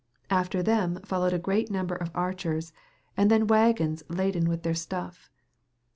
After them folowed a greate nomber of archers and then wagons laden with their stuf.